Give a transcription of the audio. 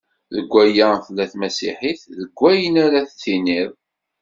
Deg waya tella tmasit deg wayen ara d-tiniḍ.